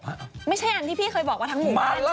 ไม่ใช่อันที่พี่เคยบอกว่าทำหมู่บ้านใช่ไหม